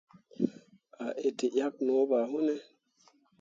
A itǝʼyakke no ɓa wune ?